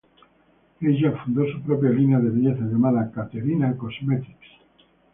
Ella fundó su propia línea de belleza llamada Katerina Cosmetics.